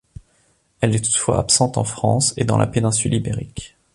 Elle est toutefois absente en France et dans la péninsule ibérique.